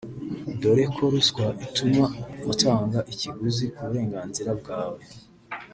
dore ko ruswa ituma utanga ikiguzi ku burenganzira bwawe